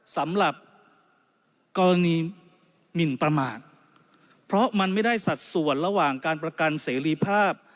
สำหรับกรณีหมินประมาทเพราะมันไม่ได้สัดส่วนระหว่างการประกันเสรีภาพ